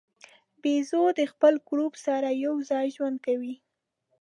بیزو د خپل ګروپ سره یو ځای ژوند کوي.